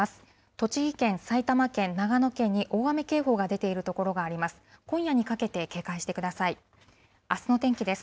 栃木県、埼玉県、長野県に大雨警報が出ている所があります。